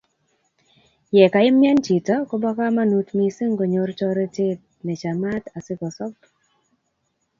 Ye kaimian chito, koba kamanut mising konyor toretet nechamaat asikosob